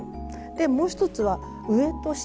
もう一つは上と下。